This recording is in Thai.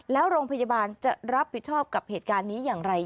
แล้วโรงพยาบาลจะรับผิดชอบกับเหตุการณ์นี้อย่างไร